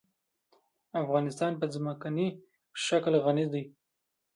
افغانستان په ځمکنی شکل غني دی.